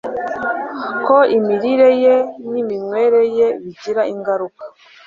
ko imirire ye niminywere ye bigira ingaruka